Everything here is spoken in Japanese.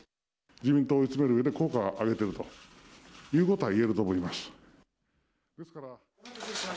自民党を追い詰めるうえで効果を上げているということはいえると思います。